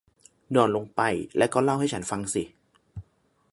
นอนลงไป และก็เล่าให้ฉันฟังสิ